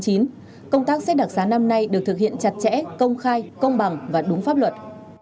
công tác xét đặc sá năm nay được thực hiện chặt chẽ công khai công bằng và đúng pháp luật